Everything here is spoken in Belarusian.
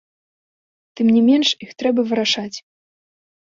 Тым не менш іх трэба вырашаць.